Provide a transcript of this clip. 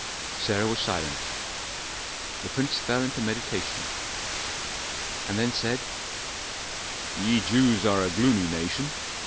Sarah was silent; the prince fell into meditation, and then said, "Ye Jews are a gloomy nation.